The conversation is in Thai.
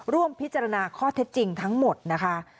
ร่วมพิจารณาข้อเท็จจริงทั้งหมดนะคะ